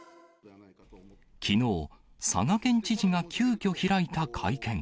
きのう、佐賀県知事が急きょ開いた会見。